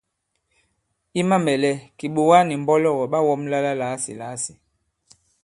I mamɛ̀lɛ, kìɓòga nì mbɔlɔgɔ̀ ɓa wɔ̄mla la làasìlàasì.